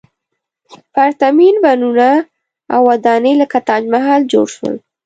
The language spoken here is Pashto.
پرتمین بڼونه او ودانۍ لکه تاج محل جوړ شول.